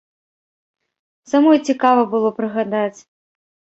Самой цікава было прыгадаць.